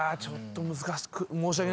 ちょっと難しく。